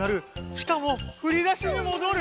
しかもふりだしに戻る！